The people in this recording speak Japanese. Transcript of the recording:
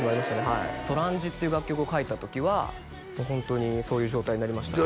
はい「Ｓｏｒａｎｊｉ」っていう楽曲を書いた時はもうホントにそういう状態になりましたね